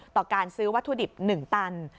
การซื้อวัตถุดิบ๑ตัน